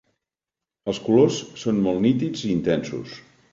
Els colors són molt nítids i intensos.